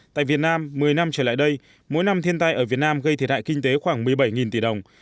tại việt nam một mươi năm trở lại đây mỗi năm thiên tai ở việt nam gây thiệt hại kinh tế khoảng một mươi bảy tỷ đồng